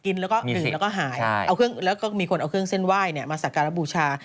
กินแล้วก็ดื่มแล้วก็หายเอาแล้วก็มีคนเอาเครื่องเส้นไหว้มาสักการะบูชา